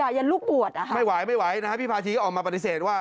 ด่ายันลูกบวชนะครับไม่ไหวพี่พาทีก็ออกมาปฏิเสธว่า